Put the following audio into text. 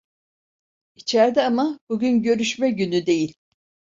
İçerde ama, bugün görüşme günü değil.